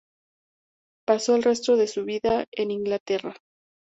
Pasó el resto de su vida en Inglaterra.